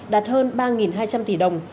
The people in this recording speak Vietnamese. đạt hơn ba hai trăm linh tỷ đồng